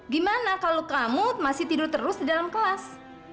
gimana kalau kamu masih tidur terus di dalam kelas